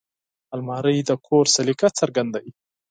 الماري د کور سلیقه څرګندوي